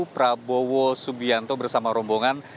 prabowo subianto bersama rombongan